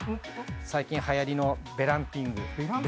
最近はやりのベランピング。